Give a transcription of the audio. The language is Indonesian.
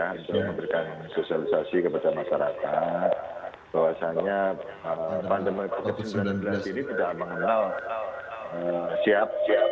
untuk memberikan sosialisasi kepada masyarakat bahwasannya pandemi covid sembilan belas ini tidak mengenal siap siap